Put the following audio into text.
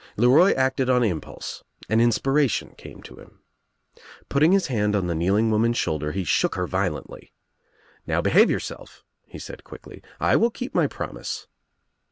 LeRoy acted on im pulse. An inspiration came to him. Putting his hand on the kneeling woman's shoulder he shook her violently. "Now behave yourself," he said quickly. "I will keep my promise."